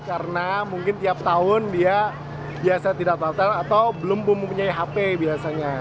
karena mungkin tiap tahun dia biasa tidak daftar atau belum mempunyai hp biasanya